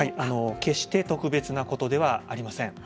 決して、特別なことじゃありません。